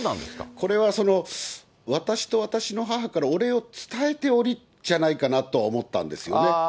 これは、私と私の母からお礼を伝えておりじゃないかなとは思ったんですよね。